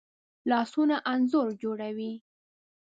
لاسونه انځور جوړوي